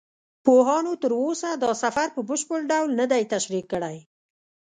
پوهانو تر اوسه دا سفر په بشپړ ډول نه دی تشریح کړی.